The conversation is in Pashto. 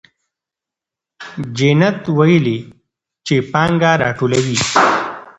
جینت ویلي چې پانګه راټولوي.